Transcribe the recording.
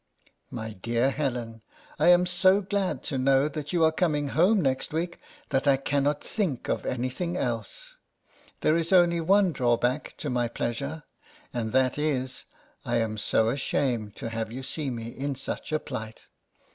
MY DEAR HELEN: I am so glad to know that you are coming home next week, that I cannot think of any thing else. There is only one drawback to my pleasure, and that is, I am so ashamed to have you see me in such a plight.